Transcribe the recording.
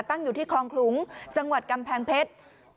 ตั้งอยู่ที่คลองขลุงจังหวัดกำแพงเพชร